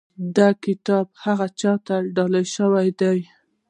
دا کتاب هغه چا ته ډالۍ شوی دی.